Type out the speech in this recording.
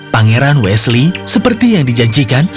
pangeran wesley seperti yang dijanjikan